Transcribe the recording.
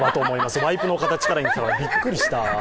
ワイプの形からびっくりした！